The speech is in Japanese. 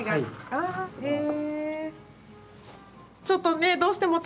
ああへえ。